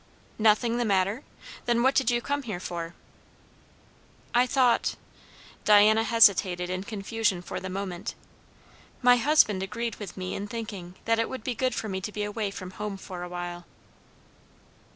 "Nothing the matter! Then what did you come here for?" "I thought" Diana hesitated in confusion for the moment "my husband agreed with me in thinking, that it would be good for me to be away from home for awhile."